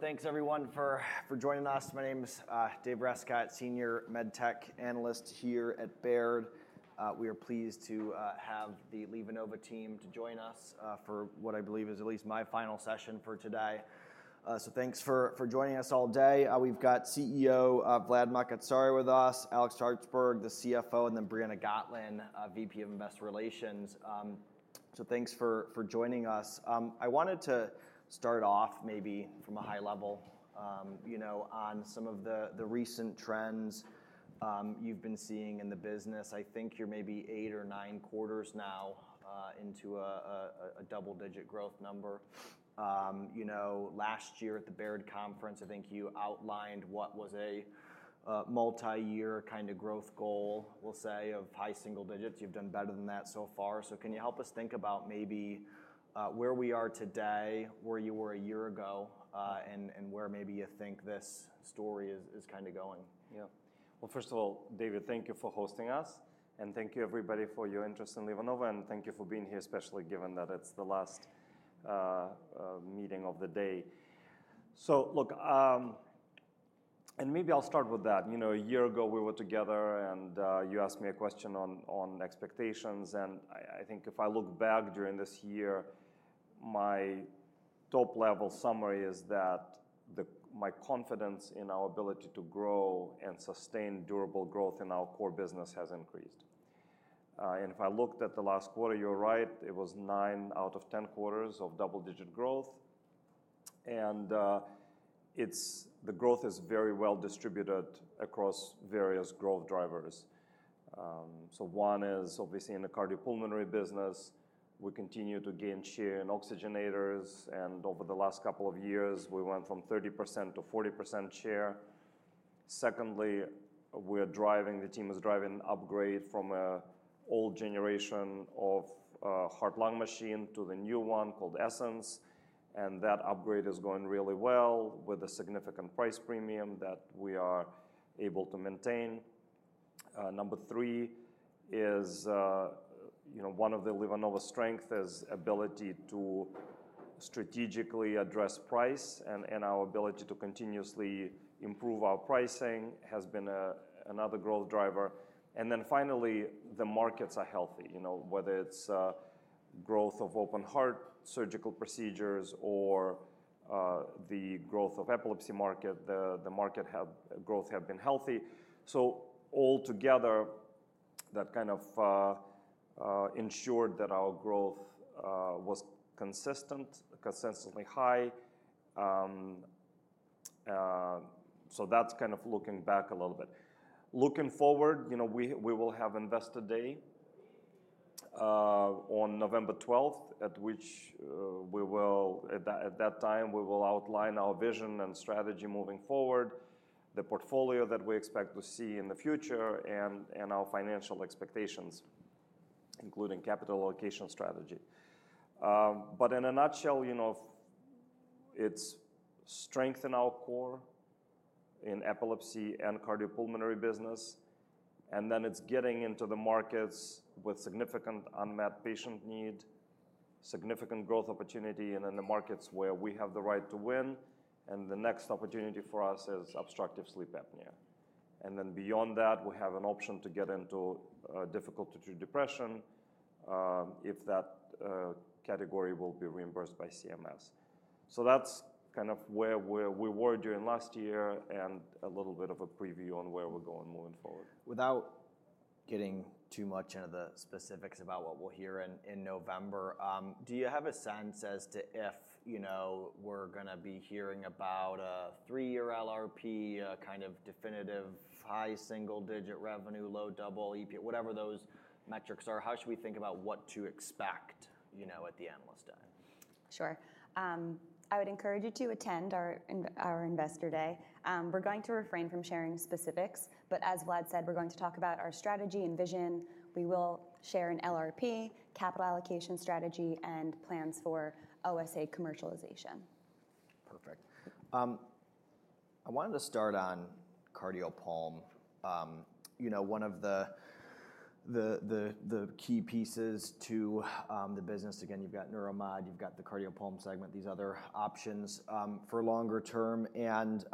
Thanks, everyone, for joining us. My name is Dave Rescott, Senior MedTech Analyst here at Baird. We are pleased to have the LivaNova team to join us for what I believe is at least my final session for today, so thanks for joining us all day. We've got CEO Vlad Makatsaria with us, Alex Shvartsburg, the CFO, and then Briana Gotlin, VP of Investor Relations, so thanks for joining us. I wanted to start off maybe from a high level on some of the recent trends you've been seeing in the business. I think you're maybe eight or nine quarters now into a double-digit growth number. Last year at the Baird Conference, I think you outlined what was a multi-year kind of growth goal, we'll say, of high single digits. You've done better than that so far. Can you help us think about maybe where we are today, where you were a year ago, and where maybe you think this story is kind of going? Yeah. Well, first of all, David, thank you for hosting us. And thank you, everybody, for your interest in LivaNova. And thank you for being here, especially given that it's the last meeting of the day. So look, and maybe I'll start with that. A year ago, we were together, and you asked me a question on expectations. And I think if I look back during this year, my top-level summary is that my confidence in our ability to grow and sustain durable growth in our core business has increased. And if I looked at the last quarter, you're right, it was nine out of 10 quarters of double-digit growth. And the growth is very well distributed across various growth drivers. So one is, obviously, in the cardiopulmonary business. We continue to gain share in oxygenators. And over the last couple of years, we went from 30%-40% share. Secondly, the team is driving an upgrade from an old generation of heart-lung machine to the new one called Essenz, and that upgrade is going really well with a significant price premium that we are able to maintain. Number three is one of the LivaNova's strengths, ability to strategically address price, and our ability to continuously improve our pricing has been another growth driver, and then finally, the markets are healthy, whether it's growth of open-heart surgical procedures or the growth of epilepsy market. The market growth has been healthy, so all together, that kind of ensured that our growth was consistently high, so that's kind of looking back a little bit. Looking forward, we will have Investor Day on November 12, at which we will, at that time, we will outline our vision and strategy moving forward, the portfolio that we expect to see in the future, and our financial expectations, including capital allocation strategy. But in a nutshell, it's strength in our core in epilepsy and cardiopulmonary business. And then it's getting into the markets with significant unmet patient need, significant growth opportunity, and then the markets where we have the right to win. And the next opportunity for us is obstructive sleep apnea. And then beyond that, we have an option to get into difficult-to-treat depression if that category will be reimbursed by CMS. So that's kind of where we were during last year and a little bit of a preview on where we're going moving forward. Without getting too much into the specifics about what we'll hear in November, do you have a sense as to if we're going to be hearing about a three-year LRP, a kind of definitive high single-digit revenue, low double, whatever those metrics are? How should we think about what to expect at the Investors' Day? Sure. I would encourage you to attend our Investor Day. We're going to refrain from sharing specifics. But as Vlad said, we're going to talk about our strategy and vision. We will share an LRP, capital allocation strategy, and plans for OSA commercialization. Perfect. I wanted to start on cardiopulmonary. One of the key pieces to the business, again, you've got Neuromod, you've got the cardiopulmonary segment, these other options for longer term. And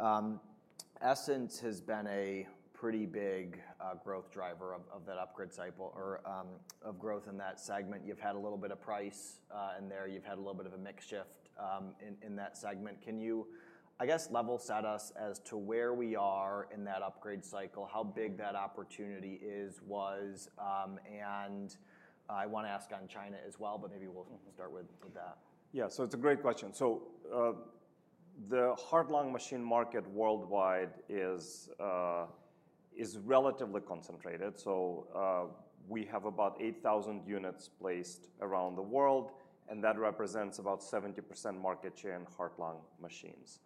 Essenz has been a pretty big growth driver of that upgrade cycle or of growth in that segment. You've had a little bit of price in there. You've had a little bit of a mix shift in that segment. Can you, I guess, level set us as to where we are in that upgrade cycle, how big that opportunity is, was? And I want to ask on China as well, but maybe we'll start with that. Yeah. So it's a great question. So the heart-lung machine market worldwide is relatively concentrated. So we have about 8,000 units placed around the world. And that represents about 70% market share in heart-lung machines.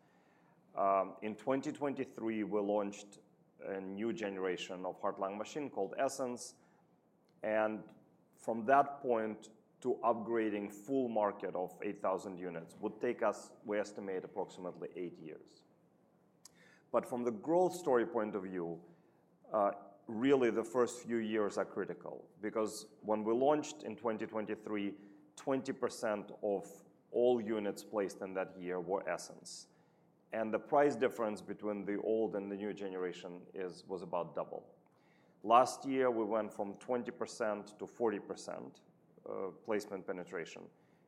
In 2023, we launched a new generation of heart-lung machine called Essenz. And from that point to upgrading full market of 8,000 units would take us, we estimate, approximately eight years. But from the growth story point of view, really, the first few years are critical. Because when we launched in 2023, 20% of all units placed in that year were Essenz. And the price difference between the old and the new generation was about double. Last year, we went from 20% to 40% placement penetration.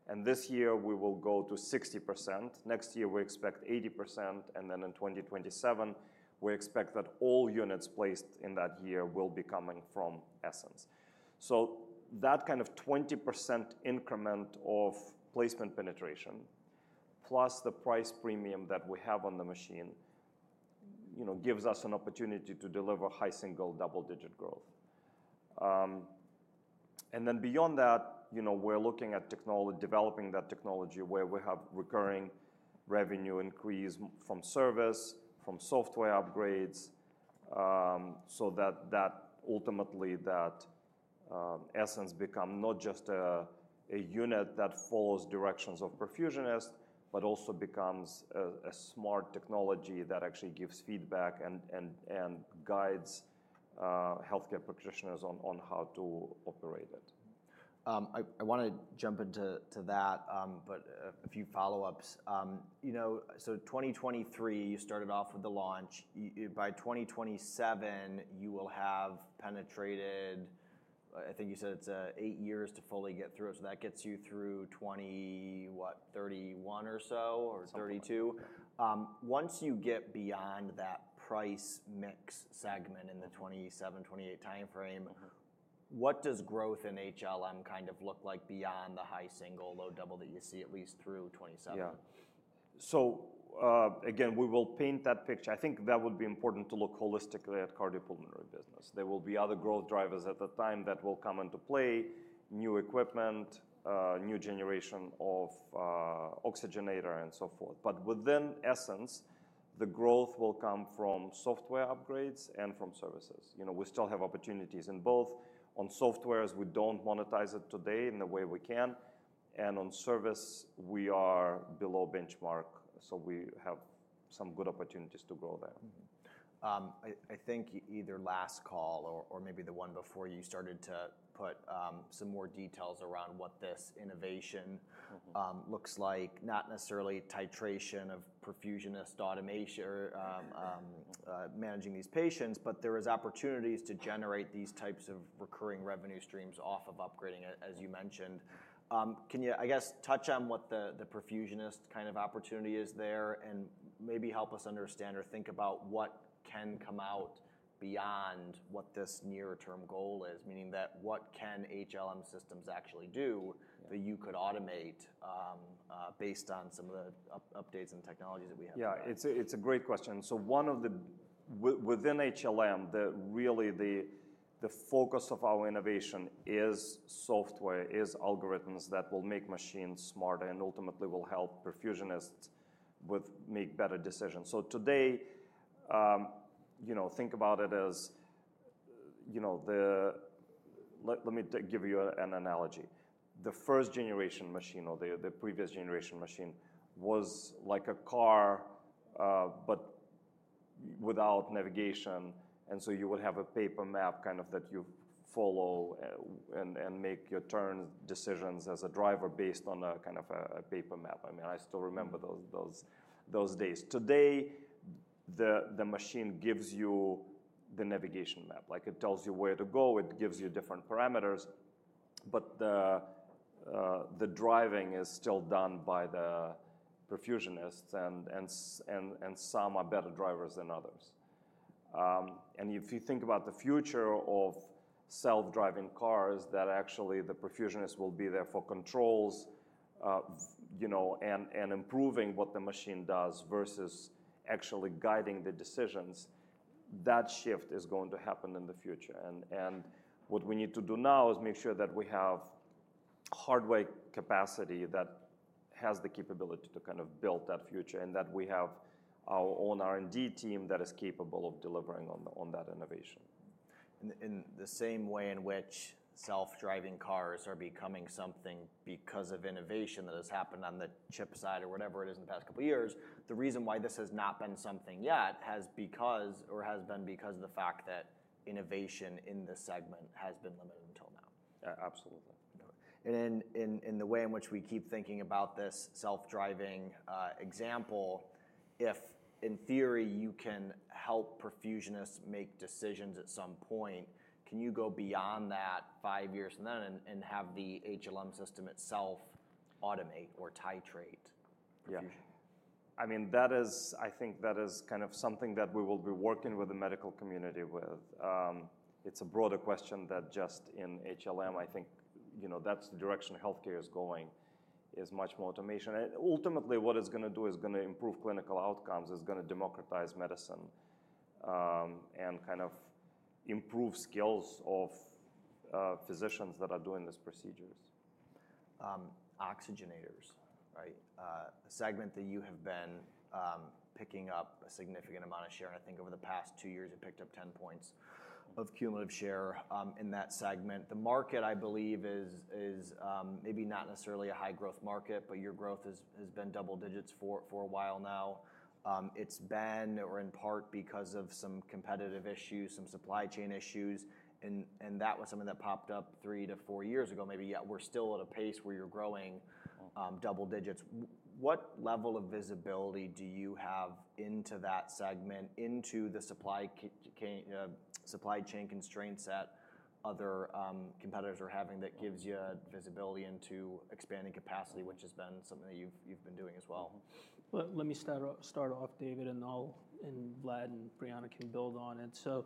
And this year, we will go to 60%. Next year, we expect 80%. And then in 2027, we expect that all units placed in that year will be coming from Essenz. So that kind of 20% increment of placement penetration, plus the price premium that we have on the machine, gives us an opportunity to deliver high single double-digit growth. And then beyond that, we're looking at developing that technology where we have recurring revenue increase from service, from software upgrades, so that ultimately that Essenz becomes not just a unit that follows directions of perfusionist, but also becomes a smart technology that actually gives feedback and guides health care practitioners on how to operate it. I want to jump into that, but a few follow-ups. So 2023, you started off with the launch. By 2027, you will have penetrated, I think you said it's eight years to fully get through it. So that gets you through 20, what, 31 or so, or 32. Once you get beyond that price mix segment in the 27, 28 time frame, what does growth in HLM kind of look like beyond the high single, low double that you see at least through 27? Yeah. So again, we will paint that picture. I think that would be important to look holistically at the cardiopulmonary business. There will be other growth drivers at the time that will come into play, new equipment, new generation of oxygenator, and so forth. But within Essenz, the growth will come from software upgrades and from services. We still have opportunities in both. On software, as we don't monetize it today in the way we can. And on service, we are below benchmark. So we have some good opportunities to grow there. I think either last call or maybe the one before you started to put some more details around what this innovation looks like, not necessarily iteration of perfusionist automation or managing these patients, but there are opportunities to generate these types of recurring revenue streams off of upgrading, as you mentioned. Can you, I guess, touch on what the perfusionist kind of opportunity is there and maybe help us understand or think about what can come out beyond what this near-term goal is, meaning that what can HLM systems actually do that you could automate based on some of the updates and technologies that we have? Yeah. It's a great question, so one of the within HLM, really the focus of our innovation is software, is algorithms that will make machines smarter and ultimately will help perfusionists make better decisions, so today, think about it. Let me give you an analogy. The first generation machine or the previous generation machine was like a car, but without navigation, and so you would have a paper map kind of that you follow and make your turn decisions as a driver based on kind of a paper map. I mean, I still remember those days. Today, the machine gives you the navigation map. It tells you where to go. It gives you different parameters, but the driving is still done by the perfusionists, and some are better drivers than others. If you think about the future of self-driving cars, that actually the perfusionist will be there for controls and improving what the machine does versus actually guiding the decisions, that shift is going to happen in the future. What we need to do now is make sure that we have hardware capacity that has the capability to kind of build that future and that we have our own R&D team that is capable of delivering on that innovation. In the same way in which self-driving cars are becoming something because of innovation that has happened on the chip side or whatever it is in the past couple of years, the reason why this has not been something yet has been because of the fact that innovation in this segment has been limited until now. Absolutely. In the way in which we keep thinking about this self-driving example, if in theory you can help perfusionists make decisions at some point, can you go beyond that five years from then and have the HLM system itself automate or titrate perfusion? Yeah. I mean, that is, I think that is kind of something that we will be working with the medical community with. It's a broader question than just in HLM. I think that's the direction health care is going, is much more automation. And ultimately, what it's going to do is going to improve clinical outcomes, is going to democratize medicine, and kind of improve skills of physicians that are doing these procedures. Oxygenators, right? A segment that you have been picking up a significant amount of share. And I think over the past two years, you picked up 10 points of cumulative share in that segment. The market, I believe, is maybe not necessarily a high-growth market, but your growth has been double digits for a while now. It's been or in part because of some competitive issues, some supply chain issues. And that was something that popped up three-to-four years ago. Maybe, yeah, we're still at a pace where you're growing double digits. What level of visibility do you have into that segment, into the supply chain constraints that other competitors are having that gives you visibility into expanding capacity, which has been something that you've been doing as well? Let me start off, David, and Vlad and Brianna can build on it, so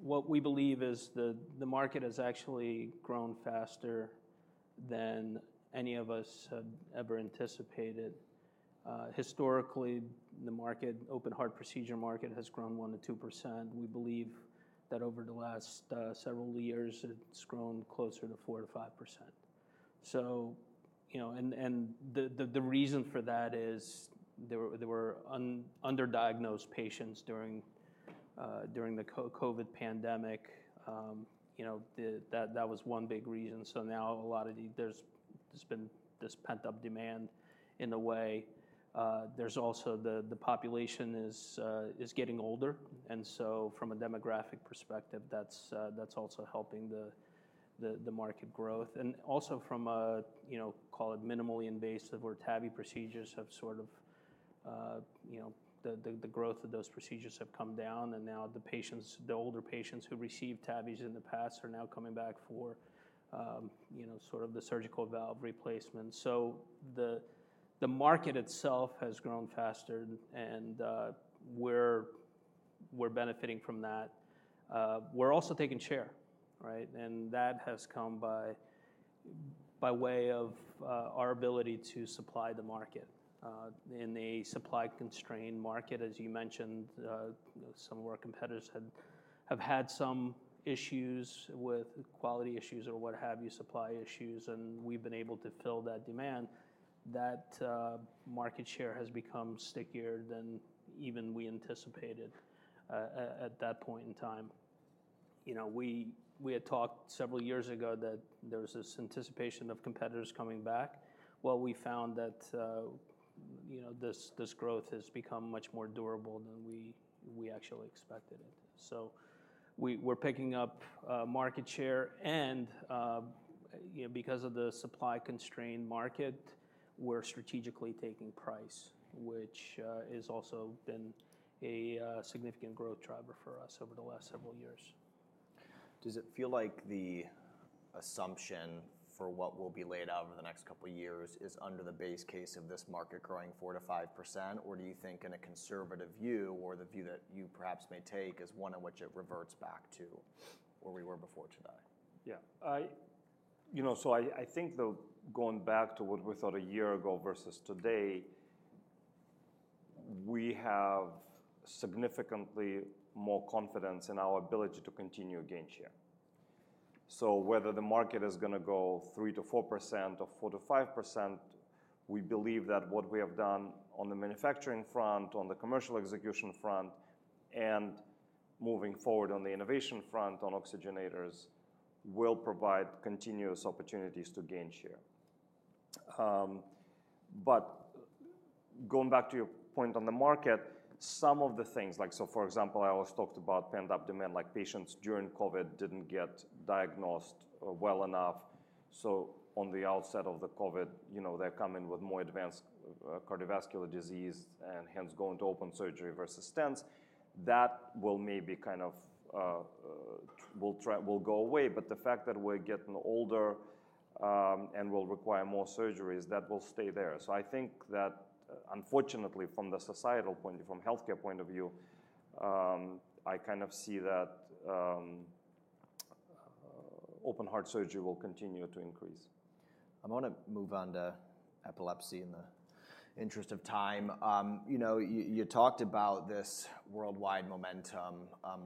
what we believe is the market has actually grown faster than any of us had ever anticipated. Historically, the market, open-heart procedure market, has grown 1%-2%. We believe that over the last several years, it's grown closer to 4%-5%, and the reason for that is there were underdiagnosed patients during the COVID pandemic. That was one big reason, so now a lot of there's been this pent-up demand in a way. There's also the population is getting older, and so from a demographic perspective, that's also helping the market growth, and also from a, call it minimally invasive or TAVI procedures have sort of the growth of those procedures have come down. Now the patients, the older patients who received TAVIs in the past are now coming back for sort of the surgical valve replacement. The market itself has grown faster. We're benefiting from that. We're also taking share, right? That has come by way of our ability to supply the market. In a supply-constrained market, as you mentioned, some of our competitors have had some issues with quality issues or what have you, supply issues. We've been able to fill that demand. That market share has become stickier than even we anticipated at that point in time. We had talked several years ago that there was this anticipation of competitors coming back. We found that this growth has become much more durable than we actually expected it. We're picking up market share. Because of the supply-constrained market, we're strategically taking price, which has also been a significant growth driver for us over the last several years. Does it feel like the assumption for what will be laid out over the next couple of years is under the base case of this market growing 4%-5%? Or do you think in a conservative view, or the view that you perhaps may take as one in which it reverts back to where we were before today? Yeah. So I think though, going back to what we thought a year ago versus today, we have significantly more confidence in our ability to continue gaining share. So whether the market is going to go 3%-4% or 4%-5%, we believe that what we have done on the manufacturing front, on the commercial execution front, and moving forward on the innovation front on oxygenators will provide continuous opportunities to gain share. But going back to your point on the market, some of the things, like so for example, I always talked about pent-up demand, like patients during COVID didn't get diagnosed well enough. So on the outset of the COVID, they're coming with more advanced cardiovascular disease and hence going to open surgery versus stents. That will maybe kind of go away. But the fact that we're getting older and will require more surgeries, that will stay there. So I think that, unfortunately, from the societal point of view, from health care point of view, I kind of see that open-heart surgery will continue to increase. I'm going to move on to epilepsy in the interest of time. You talked about this worldwide momentum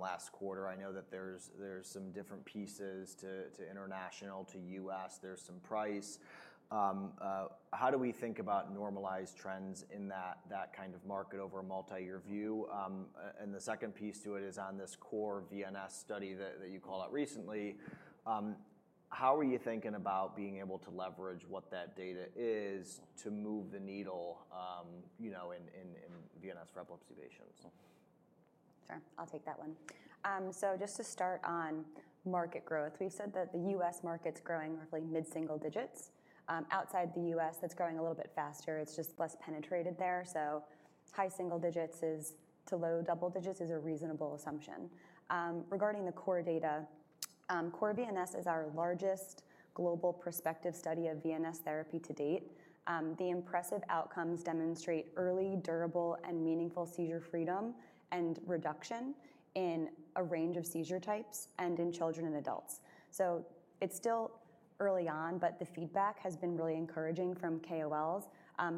last quarter. I know that there's some different pieces to international, to U.S. There's some price. How do we think about normalized trends in that kind of market over a multi-year view? And the second piece to it is on this CORE-VNS study that you call out recently. How are you thinking about being able to leverage what that data is to move the needle in VNS for epilepsy patients? Sure. I'll take that one. So just to start on market growth, we've said that the U.S. market's growing roughly mid-single digits. Outside the U.S., that's growing a little bit faster. It's just less penetrated there. So high single digits to low double digits is a reasonable assumption. Regarding the core data, CORE-VNS is our largest global prospective study of VNS therapy to date. The impressive outcomes demonstrate early, durable, and meaningful seizure freedom and reduction in a range of seizure types and in children and adults. So it's still early on, but the feedback has been really encouraging from KOLs.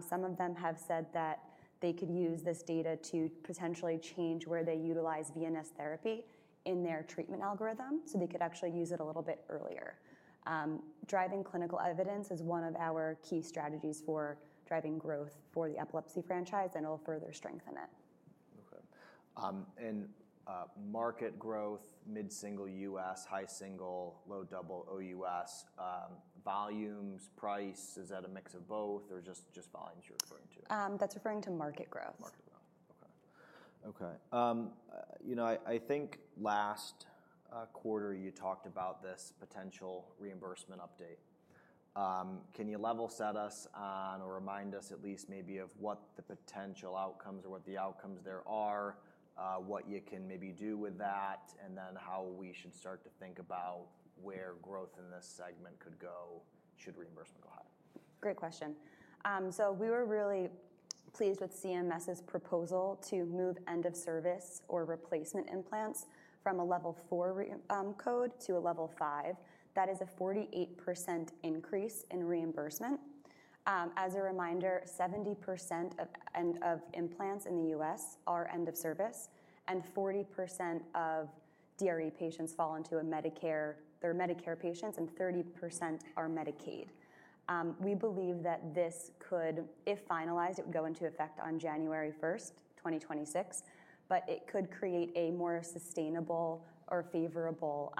Some of them have said that they could use this data to potentially change where they utilize VNS therapy in their treatment algorithm. So they could actually use it a little bit earlier. Driving clinical evidence is one of our key strategies for driving growth for the epilepsy franchise, and it'll further strengthen it. OK. And market growth, mid-single US, high single, low double OUS, volumes, price, is that a mix of both or just volumes you're referring to? That's referring to market growth. Market growth. OK. I think last quarter you talked about this potential reimbursement update. Can you level set us on or remind us at least maybe of what the potential outcomes or what the outcomes there are, what you can maybe do with that, and then how we should start to think about where growth in this segment could go should reimbursement go higher? Great question. So we were really pleased with CMS's proposal to move end-of-service or replacement implants from a level 4 code to a level 5. That is a 48% increase in reimbursement. As a reminder, 70% of implants in the U.S. are end-of-service, and 40% of DRE patients fall into a Medicare, they're Medicare patients, and 30% are Medicaid. We believe that this could, if finalized, it would go into effect on January 1, 2026. But it could create a more sustainable or favorable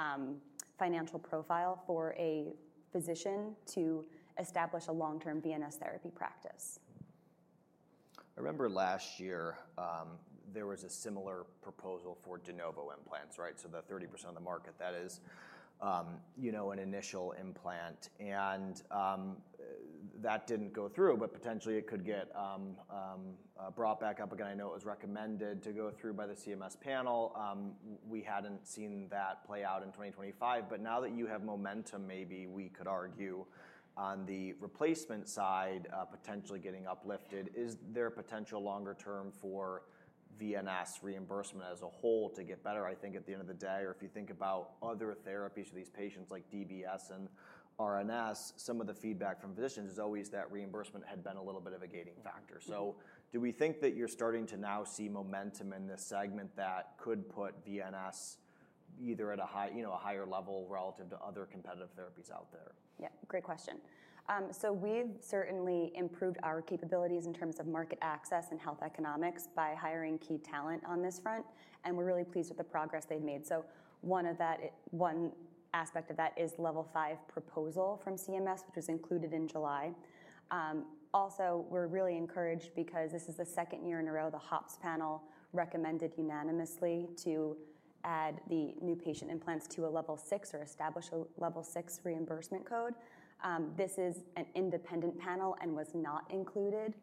financial profile for a physician to establish a long-term VNS therapy practice. I remember last year there was a similar proposal for de novo implants, right? So the 30% of the market, that is an initial implant. And that didn't go through, but potentially it could get brought back up again. I know it was recommended to go through by the CMS panel. We hadn't seen that play out in 2025. But now that you have momentum, maybe we could argue on the replacement side potentially getting uplifted. Is there potential longer term for VNS reimbursement as a whole to get better? I think at the end of the day, or if you think about other therapies for these patients like DBS and RNS, some of the feedback from physicians is always that reimbursement had been a little bit of a gating factor. So do we think that you're starting to now see momentum in this segment that could put VNS either at a higher level relative to other competitive therapies out there? Yeah. Great question. We've certainly improved our capabilities in terms of market access and health economics by hiring key talent on this front. We're really pleased with the progress they've made. One aspect of that is level 5 proposal from CMS, which was included in July. Also, we're really encouraged because this is the second year in a row the HOPPS panel recommended unanimously to add the new patient implants to a level 6 or establish a level 6 reimbursement code. This is an independent panel and was not included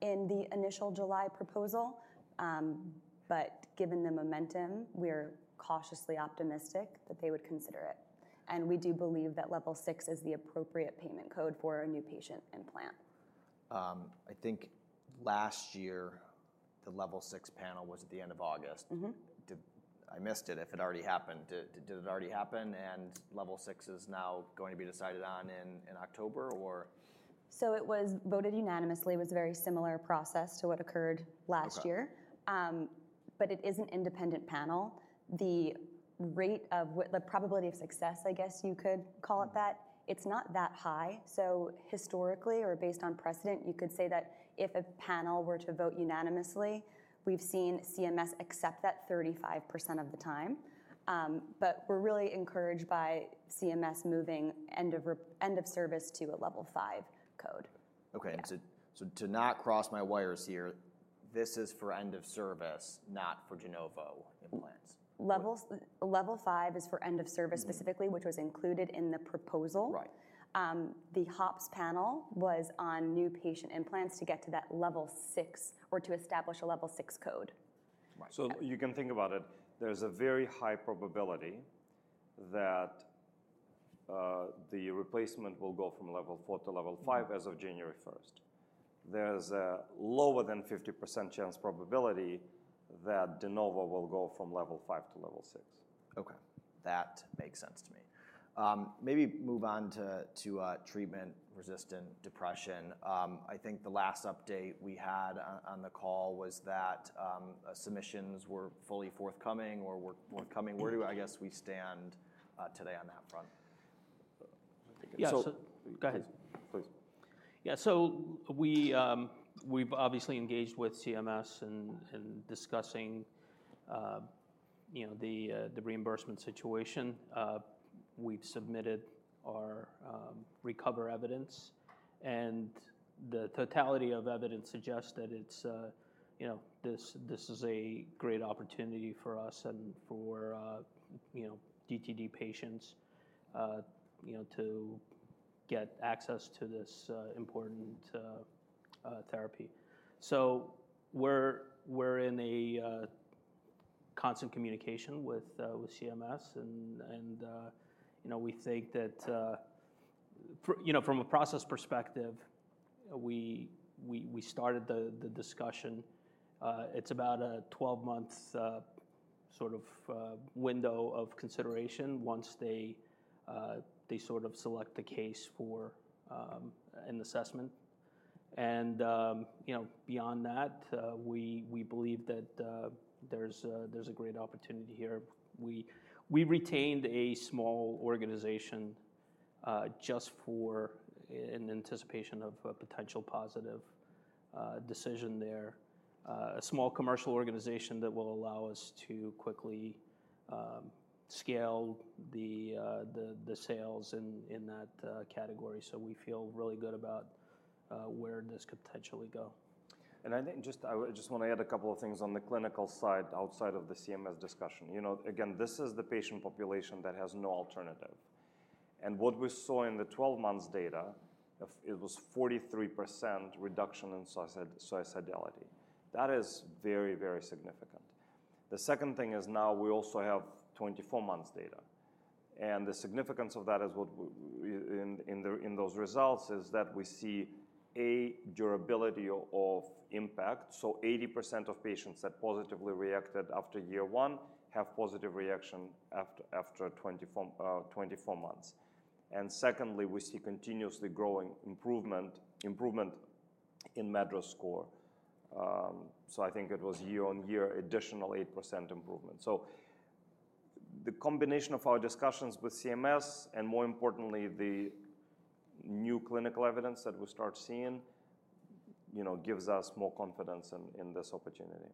in the initial July proposal. Given the momentum, we are cautiously optimistic that they would consider it. We do believe that level 6 is the appropriate payment code for a new patient implant. I think last year the level 6 panel was at the end of August. I missed it. If it already happened, did it already happen and level 6 is now going to be decided on in October, or? It was voted unanimously. It was a very similar process to what occurred last year. But it is an independent panel. The rate of the probability of success, I guess you could call it that, it's not that high. So historically or based on precedent, you could say that if a panel were to vote unanimously, we've seen CMS accept that 35% of the time. But we're really encouraged by CMS moving end-of-service to a level 5 code. OK. So to not cross my wires here, this is for end-of-service, not for de novo implants? Level 5 is for end-of-service specifically, which was included in the proposal. Right. The HOPPS panel was on new patient implants to get to that level 6 or to establish a level 6 code. Right. So you can think about it. There's a very high probability that the replacement will go from level 4 to level 5 as of January 1. There's a lower than 50% chance probability that de novo will go from level 5 to level 6. OK. That makes sense to me. Maybe move on to treatment-resistant depression. I think the last update we had on the call was that submissions were fully forthcoming or were forthcoming. Where do I guess we stand today on that front? Yeah. So go ahead, please. Yeah. So we've obviously engaged with CMS in discussing the reimbursement situation. We've submitted our recovery evidence. And the totality of evidence suggests that this is a great opportunity for us and for DTD patients to get access to this important therapy. So we're in a constant communication with CMS. And we think that from a process perspective, we started the discussion. It's about a 12-month sort of window of consideration once they sort of select the case for an assessment. And beyond that, we believe that there's a great opportunity here. We retained a small organization just in anticipation of a potential positive decision there, a small commercial organization that will allow us to quickly scale the sales in that category. So we feel really good about where this could potentially go. And I just want to add a couple of things on the clinical side outside of the CMS discussion. Again, this is the patient population that has no alternative. And what we saw in the 12-month data, it was 43% reduction in suicidality. That is very, very significant. The second thing is now we also have 24-month data. And the significance of that is what in those results is that we see a durability of impact. So 80% of patients that positively reacted after year one have positive reaction after 24 months. And secondly, we see continuously growing improvement in MADRS score. So I think it was year on year, additional 8% improvement. So the combination of our discussions with CMS and more importantly, the new clinical evidence that we start seeing gives us more confidence in this opportunity.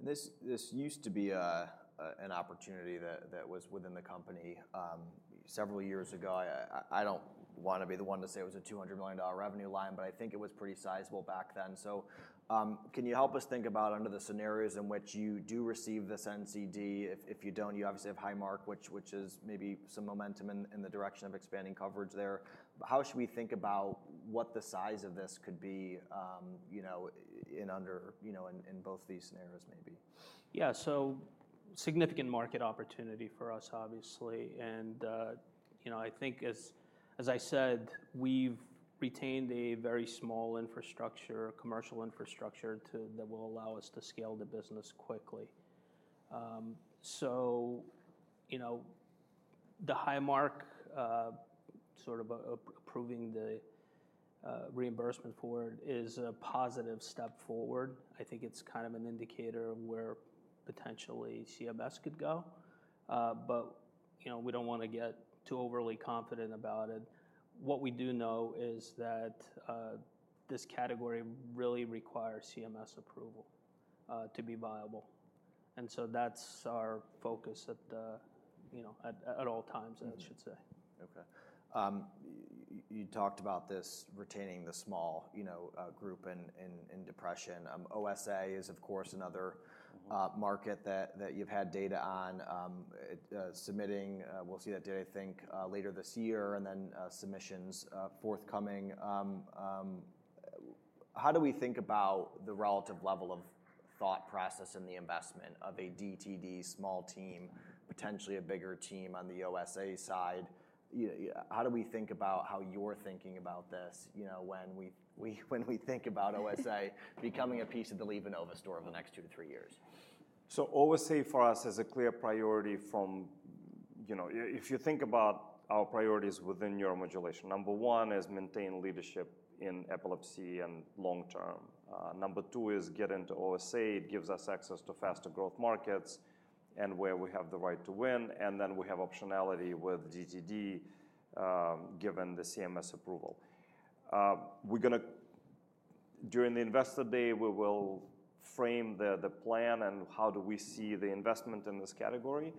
This used to be an opportunity that was within the company several years ago. I don't want to be the one to say it was a $200 million revenue line, but I think it was pretty sizable back then. So can you help us think about under the scenarios in which you do receive this NCD? If you don't, you obviously have Highmark, which is maybe some momentum in the direction of expanding coverage there. How should we think about what the size of this could be in both these scenarios maybe? Yeah. So significant market opportunity for us, obviously. And I think, as I said, we've retained a very small infrastructure, commercial infrastructure that will allow us to scale the business quickly. So the Highmark sort of approving the reimbursement forward is a positive step forward. I think it's kind of an indicator of where potentially CMS could go. But we don't want to get too overly confident about it. What we do know is that this category really requires CMS approval to be viable. And so that's our focus at all times, I should say. OK. You talked about this retaining the small group in depression. OSA is, of course, another market that you've had data on submitting. We'll see that data, I think, later this year and then submissions forthcoming. How do we think about the relative level of thought process in the investment of a DTD small team, potentially a bigger team on the OSA side? How do we think about how you're thinking about this when we think about OSA becoming a piece of the LivaNova story over the next two to three years? So, OSA for us is a clear priority. If you think about our priorities within neuromodulation, number one is maintain leadership in epilepsy and long-term. Number two is get into OSA. It gives us access to faster growth markets and where we have the right to win. And then we have optionality with DTD given the CMS approval. During the investor day, we will frame the plan and how we see the investment in this category.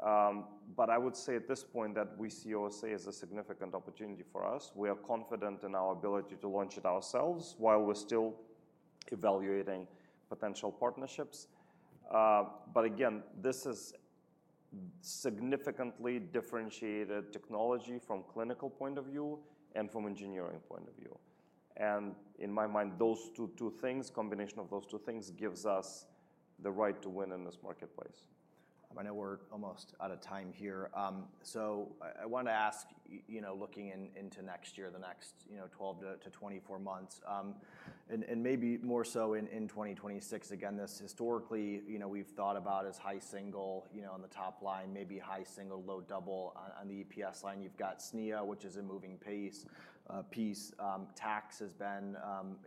But I would say at this point that we see OSA as a significant opportunity for us. We are confident in our ability to launch it ourselves while we're still evaluating potential partnerships. But again, this is significantly differentiated technology from a clinical point of view and from an engineering point of view. In my mind, those two things, combination of those two things gives us the right to win in this marketplace. I know we're almost out of time here. So I wanted to ask, looking into next year, the next 12 to 24 months, and maybe more so in 2026, again, this historically we've thought about as high single on the top line, maybe high single, low double on the EPS line. You've got SG&A, which is a moving piece. Tax has been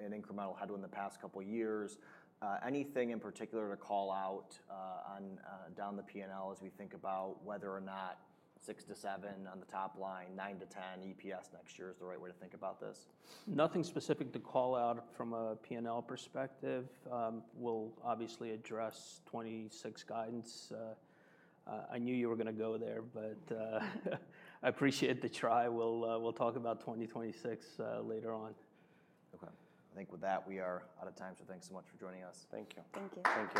an incremental headwind in the past couple of years. Anything in particular to call out down the P&L as we think about whether or not 6 to 7 on the top line, 9 to 10 EPS next year is the right way to think about this? Nothing specific to call out from a P&L perspective. We'll obviously address 2026 guidance. I knew you were going to go there, but I appreciate the try. We'll talk about 2026 later on. OK. I think with that, we are out of time. So thanks so much for joining us. Thank you. Thank you. Thanks.